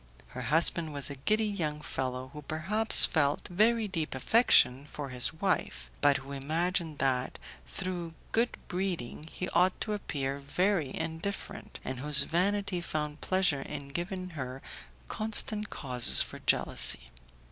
Her husband was a giddy young fellow, who perhaps felt very deep affection for his wife, but who imagined that, through good breeding, he ought to appear very indifferent, and whose vanity found pleasure in giving her constant causes for jealousy.